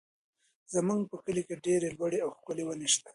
زموږ په کلي کې ډېرې لوړې او ښکلې ونې شته دي.